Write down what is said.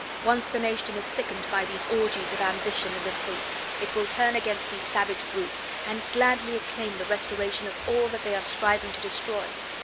Once the nation is sickened by these orgies of ambition and of hate, it will turn against these savage brutes, and gladly acclaim the restoration of all that they are striving to destroy.